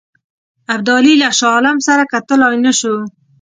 ابدالي له شاه عالم سره کتلای نه شو.